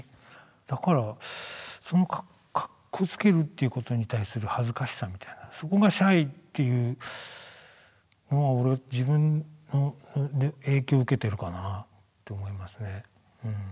だからそのかっこつけるということに対する恥ずかしさみたいなそこがシャイというのは俺自分で影響を受けてるかなって思いますねうん。